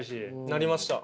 なりました。